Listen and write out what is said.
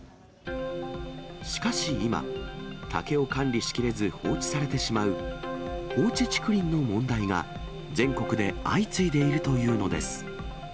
しかし今、竹を管理しきれず、放置されてしまう、放置竹林の問題が全国で相次いでいるというのです。